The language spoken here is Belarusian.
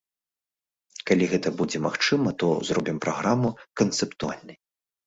Калі гэта будзе магчыма, то зробім праграму канцэптуальнай.